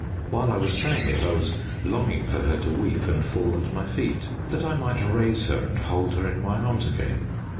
While I was saying it I was longing for her to weep and fall at my feet, that I might raise her and hold her in my arms again.